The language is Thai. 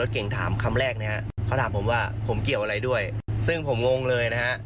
เขาถามผมว่าผมเกี่ยวอะไรด้วยซึ่งผมงงเลยนะฮะ